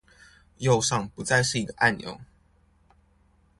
右上不再是一個按鈕